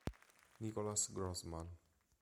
Nicklas Grossman